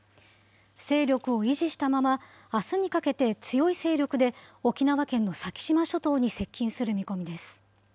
勢力を維持したまま、あすにかけて強い勢力で沖縄県の先島諸島に接近する見込みです。